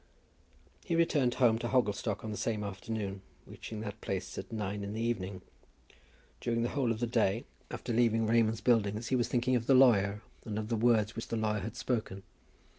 He returned home to Hogglestock on the same afternoon, reaching that place at nine in the evening. During the whole of the day after leaving Raymond's Buildings he was thinking of the lawyer, and of the words which the lawyer had spoken.